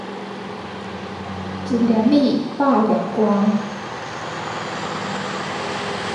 一粒米，百粒汗